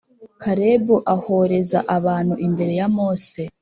Kalebu ahoreza abantu imbere ya Mose